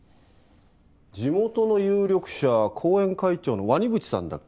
地元の有力者後援会長の鰐淵さんだっけ？